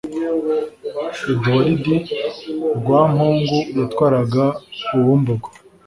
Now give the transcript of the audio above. Eduwaridi Rwampungu yatwaraga Ubumbogo